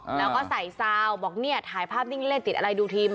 แล้วก็ใส่ซาวบอกเนี่ยถ่ายภาพนิ่งเล่นติดอะไรดูทีม